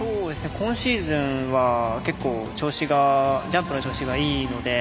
今シーズンは結構、ジャンプの調子がいいので。